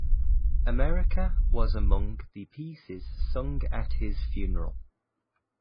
"America" was among the pieces sung at his funeral.